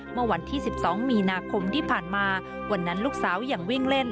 เมื่อวันที่๑๒มีนาคมที่ผ่านมาวันนั้นลูกสาวยังวิ่งเล่น